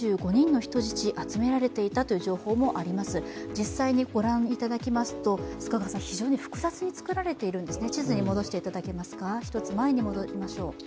実際にご覧いただきますと非常に複雑に作られているんですね。